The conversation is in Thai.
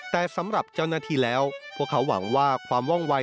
แต่สำหรับเจ้าหน้าที่แล้วพวกเขาหวังว่าความว่องวัย